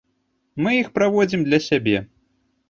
Мы іх праводзім для сябе.